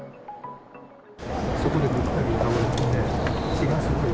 そこでぐったり倒れてて、血がすごい。